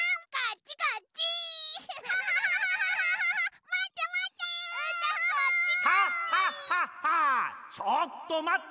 ちょっとまった！